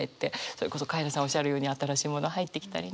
それこそカエラさんおっしゃるように新しいもの入ってきたりね。